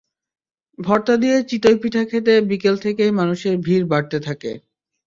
ভর্তা দিয়ে চিতই পিঠা খেতে বিকেল থেকেই মানুষের ভিড় বাড়তে থাকে।